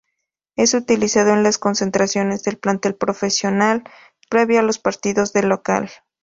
Es utilizado en las concentraciones del plantel profesional previo a los partidos de local.